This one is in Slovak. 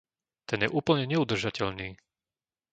Ten je úplne neudržateľný!